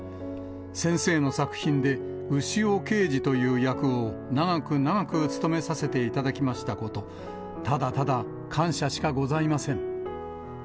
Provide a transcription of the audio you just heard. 先生の作品で牛尾刑事という役を長く長く務めさせていただきましたこと、ただただ感謝しかございません。